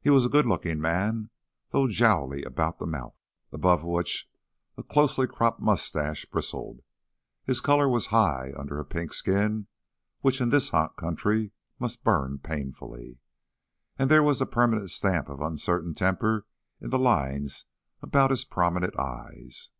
He was a good looking man, though jowly about the mouth, above which a closely cropped mustache bristled. His color was high under a pink skin which in this hot country must burn painfully. And there was the permanent stamp of uncertain temper in the lines about his prominent eyes.